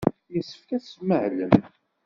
Yessefk ad tmahlem.